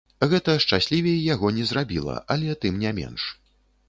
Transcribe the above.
Гэта шчаслівей яго не зрабіла, але тым не менш.